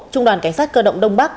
trung đoàn cảnh sát cơ động đông bắc